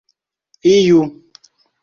iu